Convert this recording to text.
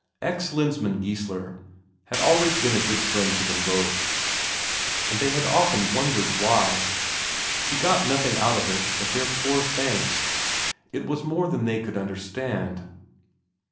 Ex Lensmand Geissler had always been a good friend to them both, and they had often wondered why; he got nothing out of it but their poor thanks it was more than they could understand.